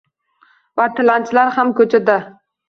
Va tilanchilar ham ko‘chada.